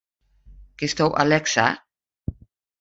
Kinsto Alexa?